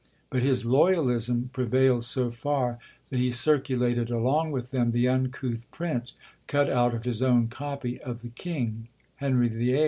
But his loyalism prevailed so far, that he circulated along with them the uncouth print, cut out of his own copy, of the King (Henry VIII.)